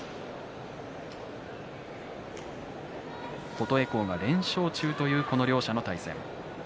琴恵光が連勝中というこの両者の対戦です。